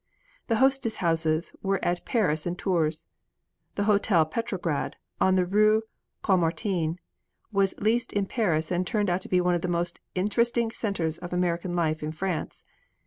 The Hostess Houses were at Paris and Tours. The Hotel Petrograd, on the Rue Caumartin, was leased in Paris and turned out to be one of the most interesting centers of American life in France.